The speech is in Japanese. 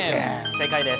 正解です。